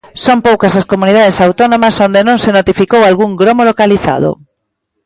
Son poucas as comunidades autónomas onde non se notificou algún gromo localizado.